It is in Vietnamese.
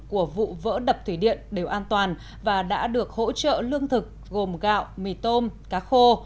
của vụ vỡ đập thủy điện đều an toàn và đã được hỗ trợ lương thực gồm gạo mì tôm cá khô